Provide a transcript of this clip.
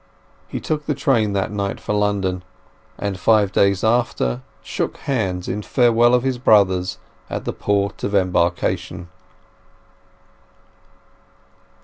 He took the train that night for London, and five days after shook hands in farewell of his brothers at the port of embarkation.